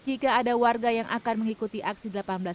jika ada warga yang akan mengikuti aksi delapan belas